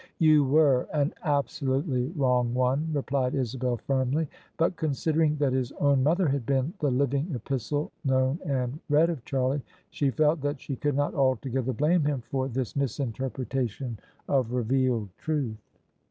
"You were: an absolutely wrong one," replied Isabel firmly. But considering that his own mother had been the living epistle known and read of Charlie, she felt that she could not altogether blame him for this misinterpretation of revealed truth.